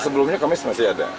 sebelumnya kamis masih ada